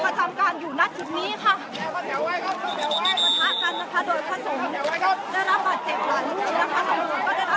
ถ้าตามโดยผสมได้รับการเจ็บผลานิกชีพทางกันก็ได้รับการเจ็บเต้นเดียวกัน